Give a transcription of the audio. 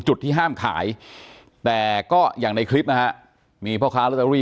อ๋อเจ้าสีสุข่าวของสิ้นพอได้ด้วย